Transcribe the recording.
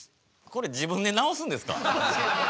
これ自分でなおすんですか？